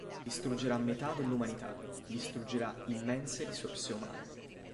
Distruggerà metà dell'umanità, distruggerà immense risorse umane.